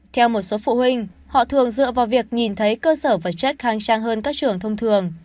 theo một số phụ huynh họ thường dựa vào việc nhìn thấy cơ sở vật chất khang trang hơn các trường thông thường